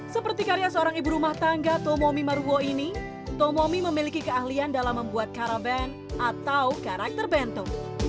seperti karya seorang ibu rumah tangga tomomi maruo ini tomomi memiliki keahlian dalam membuat karaben atau karakter bentou